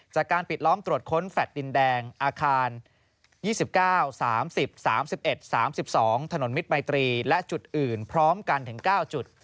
จากการปิดล้อมตรวจค้นแฟลต์ดินแดงอาคาร๒๙๓๐๓๑๓๒ถนนมิตรมัยตรีและจุดอื่นพร้อมกันถึง๙จุด